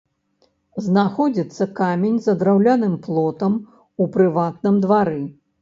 Знаходзіцца камень за драўляным плотам у прыватным двары.